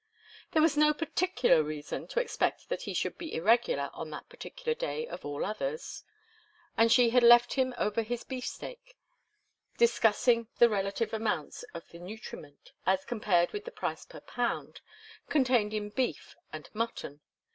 There was no particular reason to expect that he should be irregular on that particular day of all others, and she had left him over his beefsteak, discussing the relative amounts of the nutriment as compared with the price per pound contained in beef and mutton.